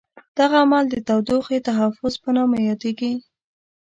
دغه عمل د تودوخې تحفظ په نامه یادیږي.